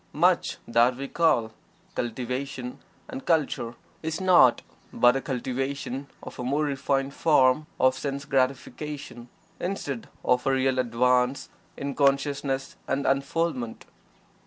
Much that we call "cultivation" and "culture" is naught but a cultivation of a more refined form of sense gratification, instead of a real advance in consciousness and unfoldment.